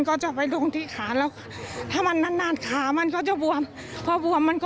ก็นี่ไง